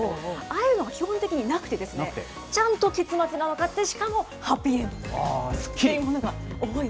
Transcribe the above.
ああいうのが基本的になくてですね、ちゃんと結末が分かって、しかもハッピーエンドっていうもの